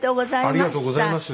ありがとうございます。